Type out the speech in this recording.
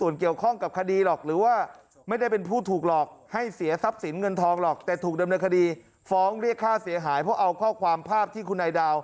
และยังมีอีกหลายท่านที่จะพร้อมที่จะให้พ่อพูด